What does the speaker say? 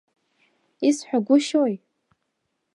Исҳәагәышьои.